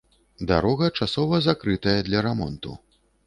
Дарога часова закрытая для рамонту.